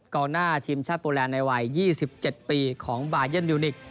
กล้องหน้าทีมชาติโปรแลนด์ในวัย๒๗ปีของบายันยูนิค